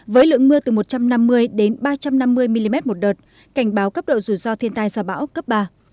với lượng mưa từ một trăm năm mươi đến ba trăm năm mươi mm một đợt cảnh báo cấp độ rủi ro thiên tai do bão cấp ba